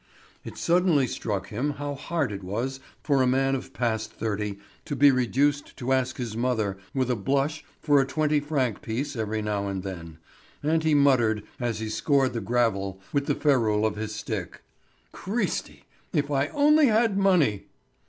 It suddenly struck him how hard it was for a man of past thirty to be reduced to ask his mother, with a blush for a twenty franc piece every now and then; and he muttered, as he scored the gravel with the ferule of his stick: "Christi, if I only had money!"